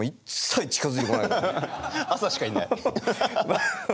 朝しかいない。